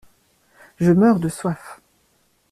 Je meurs de soif.